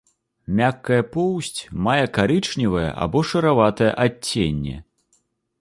Мяккая поўсць мае карычневае або шараватае адценне.